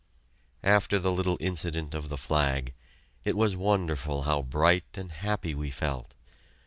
After the little incident of the flag, it was wonderful how bright and happy we felt.